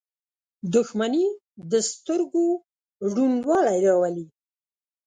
• دښمني د سترګو ړندوالی راولي.